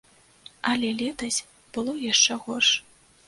Але летась было яшчэ горш.